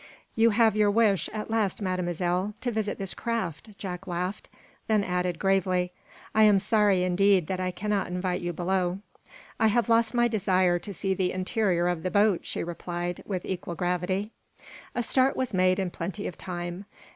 "You have your wish, at last, Mademoiselle, to visit this craft," Jack laughed, then added, gravely: "I am sorry, indeed, that I cannot invite you below." "I have lost my desire to see the interior of the boat," she replied, with equal gravity. A start was made in plenty of time.